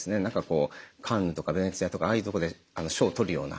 カンヌとかベネチアとかああいうとこで賞を取るような。